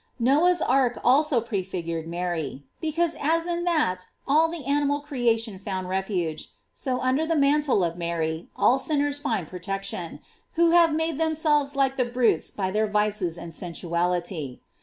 Noe's ark also prefigured Mary; because as in that all the animal creation found refuge, so un der the mantle of Mary all sinners find protec tion, who have made themselves like the brutes by their vices and sensuality.